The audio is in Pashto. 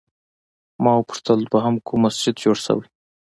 ما وپوښتل دوهم کوم مسجد جوړ شوی؟